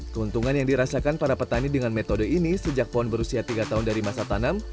keuntungan yang dirasakan para petani dengan metode ini sejak pohon berusia tiga tahun dari masa tanam